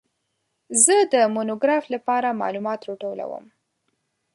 زه د مونوګراف لپاره معلومات راټولوم.